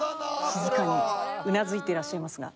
静かにうなずいていらっしゃいますが。